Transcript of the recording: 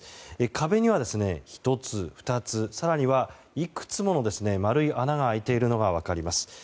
壁には１つ、２つ更にはいくつもの丸い穴が開いているのが分かります。